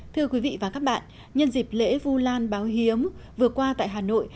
thưa quý vị và các bạn nhân dịp lễ vu lan báo hiếm vừa qua tại hà nội